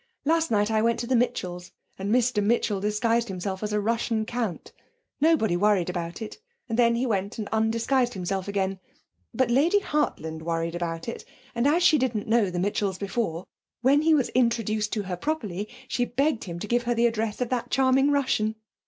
Last night I went to the Mitchells' and Mr Mitchell disguised himself as a Russian Count. Nobody worried about it, and then he went and undisguised himself again. But Lady Hartland worried about it, and as she didn't know the Mitchells before, when he was introduced to her properly she begged him to give her the address of that charming Russian.